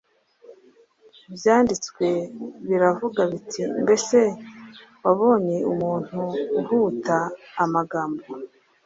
Ibyanditswe biravuga biti: Mbese wabonye umuntu uhuta amagambo?